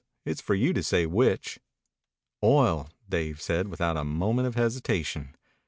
It's for you to say which." "Oil," said Dave without a moment of hesitation.